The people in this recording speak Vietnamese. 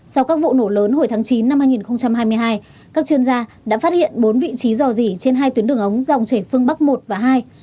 sau các vụ nổ lớn hồi tháng chín năm hai nghìn hai mươi hai các chuyên gia đã phát hiện bốn vị trí dò dỉ trên hai tuyến đường ống dòng chảy phương bắc một và hai